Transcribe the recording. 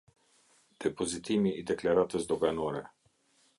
Depozitimi i deklaratës doganore.